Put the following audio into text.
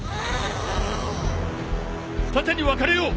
二手に分かれよう！